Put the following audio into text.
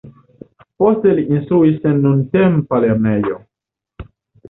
Poste li instruis en nuntempa lernejo.